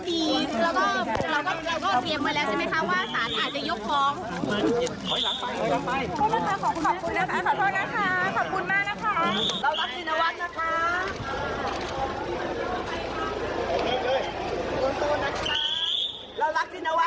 นี่เป็นไรไม่เห็นก็ไม่เป็นไรเรายินดีด้วย